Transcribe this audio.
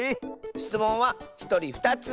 しつもんはひとり２つ。